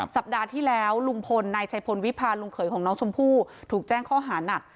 สัปดาห์ที่แล้วลุงพลนายชัยพลวิพาลลุงเขยของน้องชมพู่ถูกแจ้งข้อหานัก